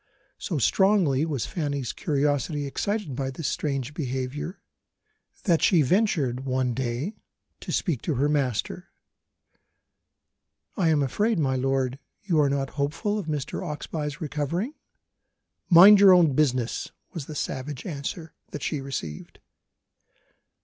So strongly was Fanny's curiosity excited by this strange behaviour, that she ventured one day to speak to her master. "I am afraid, my lord, you are not hopeful of Mr. Oxbye's recovering?" "Mind your own business," was the savage answer that she received.